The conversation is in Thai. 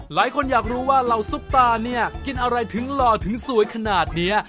หลายคนอยากรู้ว่าเหล่าซุปตาเนี่ยกินอะไรถึงหล่อถึงสวยขนาดนี้